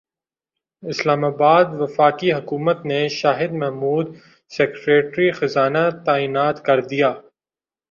اسلام اباد وفاقی حکومت نے شاہد محمود سیکریٹری خزانہ تعینات کردیا